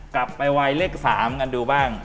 กลับไปวัยเลข๓กันดูบ้าง